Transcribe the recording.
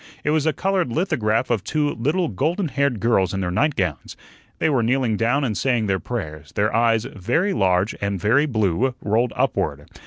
It was a colored lithograph of two little golden haired girls in their nightgowns. They were kneeling down and saying their prayers; their eyes very large and very blue rolled upward.